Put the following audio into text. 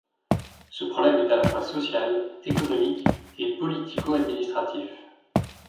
Ce problème est à la fois social, économique et politico-admlinistratif.